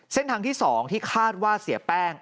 เส้นทางที่๒ที่คาดว่าเสียแป้ง